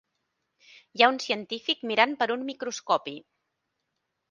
Hi ha un científic mirant per un microscopi.